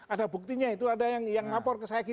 ada buktinya itu ada yang lapor ke saya